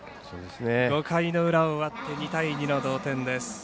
５回の裏終わって２対２の同点です。